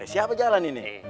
eh siapa jalan ini